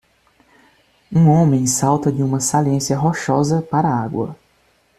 Um homem salta de uma saliência rochosa para a água.